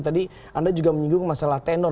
tadi anda juga menyinggung masalah tenor